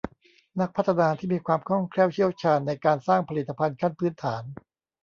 นักพัฒนาที่มีความคล่องแคล่วเชี่ยวชาญในการสร้างผลิตภัณฑ์ขั้นพื้นฐาน